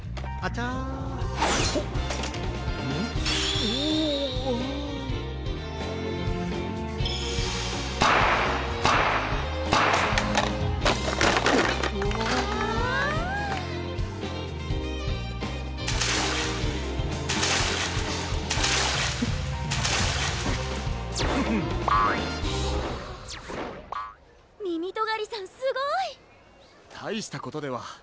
たいしたことでは。